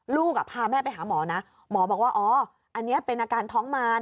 ลูกพาแม่ไปหาหมอนะหมอบอกว่าอ๋ออันนี้เป็นอาการท้องมาร